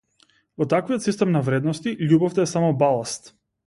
Во таквиот систем на вредности љубовта е само баласт.